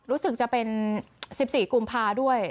รู้สึกจะเป็น๑๔กุมภาด้วย